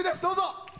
どうぞ。